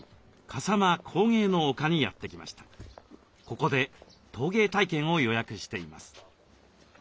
ここで陶芸体験を予約しています。